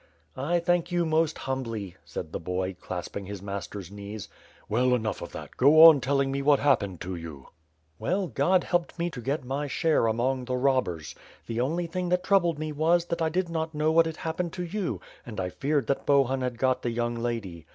"I thank you most humbly," said the boy, clasping his master's knees. "Well, enough of that! Go on telling me what happened to you." "Well, God helped me to get my share among the robbers. The only thing that troubled me was, that I did not know what had happened to you, and I feared that Bohun had got the young lady.